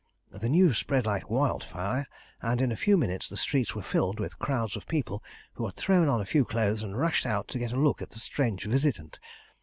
"The news spread like wildfire, and in a few minutes the streets were filled with crowds of people, who had thrown on a few clothes and rushed out to get a look at the strange visitant.